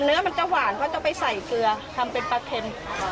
เนื้อมันจะหวานเพราะจะไปใส่เกลือทำเป็นปลาเค็ม